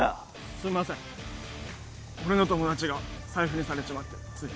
すんません俺の友達が財布にされちまってつい。